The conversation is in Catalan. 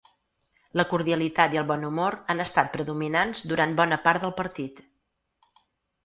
La cordialitat i el bon humor han estat predominants durant bona part del partit.